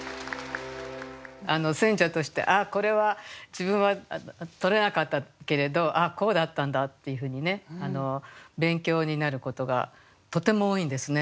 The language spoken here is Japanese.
選者として「ああこれは自分はとれなかったけれどこうだったんだ」っていうふうにね勉強になることがとても多いんですね。